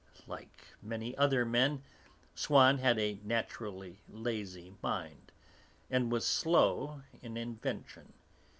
Like many other men, Swann had a naturally lazy mind, and was slow in invention.